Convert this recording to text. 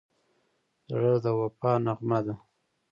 زړه د وفا نغمه ده.